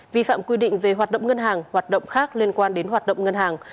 vi phạm quy định về hoạt động ngân hàng hoạt động khác liên quan đến hoạt động ngân hàng